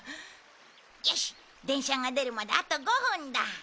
よし電車が出るまであと５分だ。